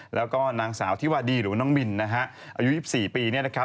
แล้วก็นางสาวที่วาดีหรือว่าน้องมินนะฮะอายุ๒๔ปีเนี่ยนะครับ